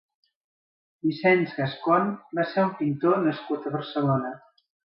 Vicenç Gascón va ser un pintor nascut a Barcelona.